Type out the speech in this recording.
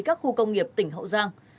các khu công nghiệp tỉnh hậu giang